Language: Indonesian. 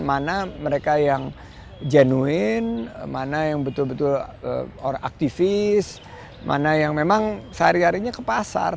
mana mereka yang jenuin mana yang betul betul aktivis mana yang memang sehari harinya ke pasar